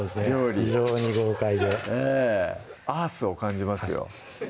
非常に豪快でええアースを感じますよ